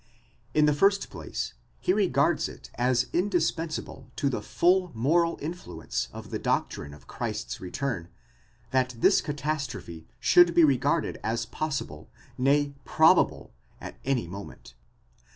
In the first place he regards it as indispensable to the full moral influence of the doctrine of Christ's return, that this catastrophe should be regarded as possible, nay probable, at any moment.